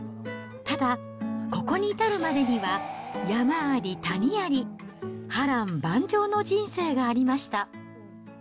ただ、ここに至るまでには山あり谷あり、波乱万丈の人生がありました。